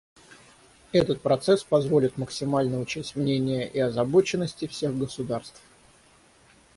Этот процесс позволит максимально учесть мнения и озабоченности всех государств.